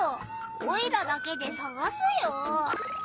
オイラだけでさがすよ。